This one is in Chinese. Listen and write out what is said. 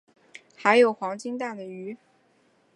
还有黄金蛋的鱼